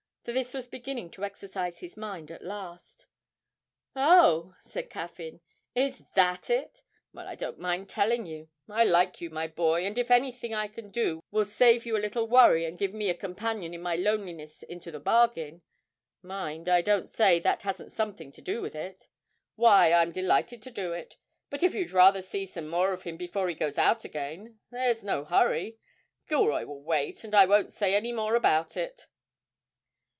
For this was beginning to exercise his mind at last. 'Oh,' said Caffyn, 'is that it? Well, I don't mind telling you I like you, my boy, and if anything I can do will save you a little worry and give me a companion in my loneliness into the bargain (mind, I don't say that hasn't something to do with it), why, I'm delighted to do it. But if you'd rather see some more of him before he goes out again, there's no hurry. Gilroy will wait, and I won't say any more about it.'